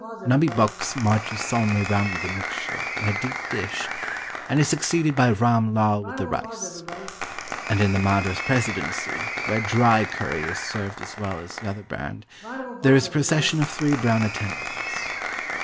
Nubbee Bux marches solemnly round with the mixture, in a deep dish, and is succeeded by Ram Lal with the rice. And in the Madras Presidency, where dry curry is served as well as the other brand, there is a procession of three brown attendants.